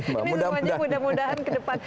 ini semuanya mudah mudahan ke depan